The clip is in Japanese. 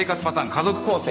家族構成。